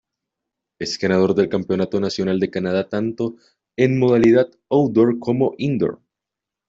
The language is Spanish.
Es ganador del Campeonato Nacional de Canadá tanto en modalidad outdoor como indoor.